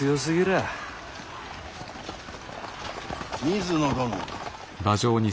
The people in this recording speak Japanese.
水野殿。